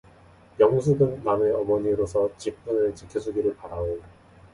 영숙은 남의 어머니로서의 직분을 지켜 주기를 바라오.